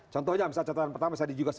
contohnya misalnya catatan pertama saya juga